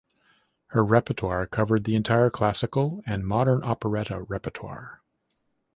Her repertoire covered the entire classical and modern operetta repertoire.